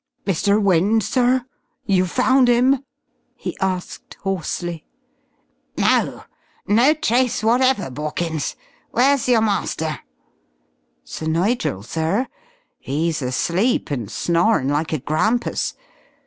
"Mr. Wynne, sir? You found 'im?" he asked hoarsely. "No. No trace whatever, Borkins. Where's your master?" "Sir Nigel, sir? 'E's asleep, and snorin' like a grampus.